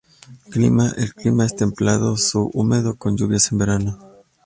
Clima El clima es templado subhúmedo con lluvias en verano.